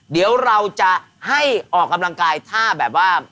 เดี๋ยวเราจะให้ออกกำลังกายถ้าแบบว่า